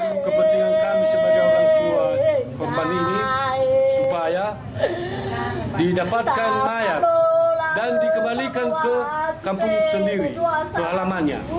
untuk kepentingan kami sebagai orang tua korban ini supaya didapatkan mayat dan dikembalikan ke kampung sendiri ke alamannya